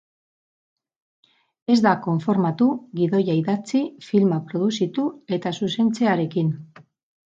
Ez da konformatu gidoia idatzi, filma produzitu eta zuzentzearekin.